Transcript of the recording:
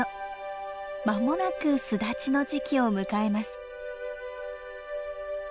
間もなく巣立ちの時期を迎えます。